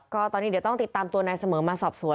ก็ตอนนี้เดี๋ยวต้องติดตามตัวนายเสมอมาสอบสวน